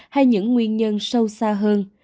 hay những nguyên nhân sâu xa hơn